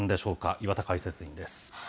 岩田解説委員です。